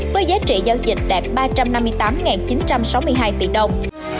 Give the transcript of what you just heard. với giá trị giao dịch đạt ba trăm năm mươi tám chín trăm sáu mươi hai tỷ đồng